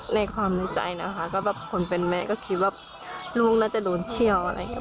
ในความในใจนะคะก็แบบคนเป็นแม่ก็คิดว่าลูกน่าจะโดนเชี่ยวอะไรอย่างนี้